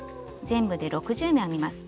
全部で６０目編みます。